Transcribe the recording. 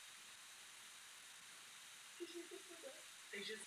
Při formulování požadavků nabídky na pracovní pozici je nutné dodržovat několik pravidel.